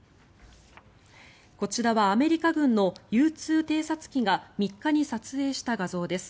こちらはアメリカ軍のＵ２偵察機が３日に撮影した画像です。